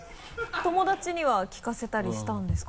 友達には聴かせたりしたんですか？